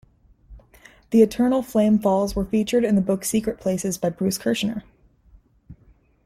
The Eternal Flame Falls were featured in the book "Secret Places" by Bruce Kershner.